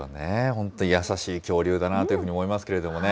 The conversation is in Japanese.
本当、優しい恐竜だなというふうに思いますけれどもね。